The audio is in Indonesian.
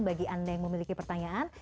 bagi anda yang memiliki pertanyaan